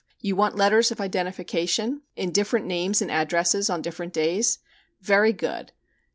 You want letters of identification? In different names and addresses on different days? Very good.